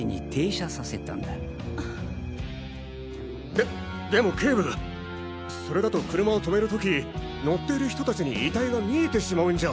ででも警部それだと車を停める時乗っている人達に遺体が見えてしまうんじゃ。